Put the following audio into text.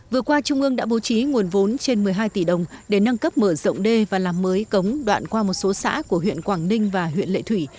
vừa qua trung ương đã bố trí nguồn vốn trên một mươi hai tỷ đồng để nâng cấp mở rộng đê và làm mới cống đoạn qua một số xã của huyện quảng ninh và huyện lệ thủy